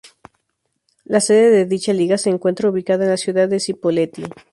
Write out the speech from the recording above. La sede de dicha liga se encuentra ubicada en la ciudad de Cipolletti.